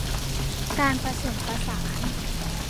การประสมประสาน